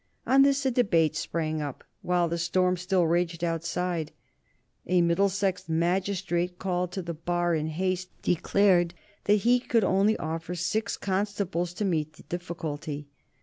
On this a debate sprang up, while the storm still raged outside. A Middlesex magistrate, called to the bar in haste, declared that he could only offer six constables to meet the difficulty.